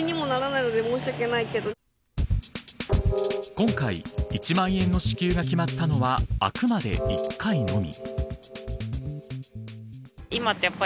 今回、１万円の支給が決まったのはあくまで１回のみ。